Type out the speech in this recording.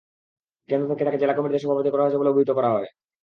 কেন্দ্র থেকে তাঁকে জেলা কমিটির সভাপতি করা হয়েছে বলে অবহিত করা হয়।